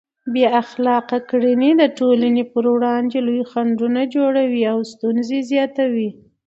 بې اخلاقه کړنې د ټولنې پر وړاندې لوی خنډونه جوړوي او ستونزې زیاتوي.